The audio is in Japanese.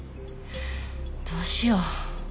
どうしよう。